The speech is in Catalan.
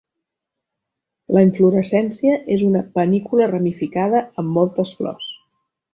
La inflorescència és una panícula ramificada amb moltes flors.